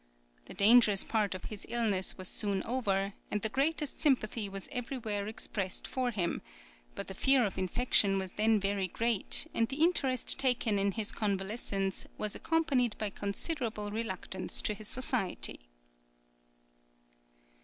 The dangerous part of his illness was soon over, and the greatest sympathy was everywhere expressed for him; but the fear of infection was then very great, and the interest taken in his convalescence was accompanied by considerable reluctance to his society.